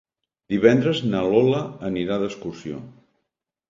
Divendres na Lola anirà d'excursió.